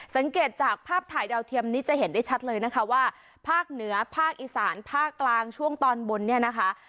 จากภาพถ่ายดาวเทียมนี้จะเห็นได้ชัดเลยนะคะว่าภาคเหนือภาคอีสานภาคกลางช่วงตอนบนเนี่ยนะคะ